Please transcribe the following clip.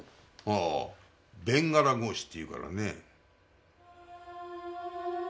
ほうベンガラ格子っていうからね。